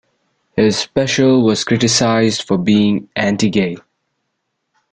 His special was criticised for being anti gay.